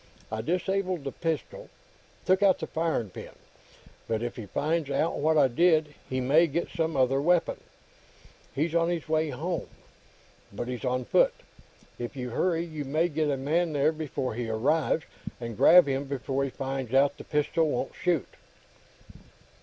I disabled the pistol took out the firing pin but if he finds out what I did, he may get some other weapon. He's on his way home, but he's on foot. If you hurry, you may get a man there before he arrives, and grab him before he finds out the pistol won't shoot."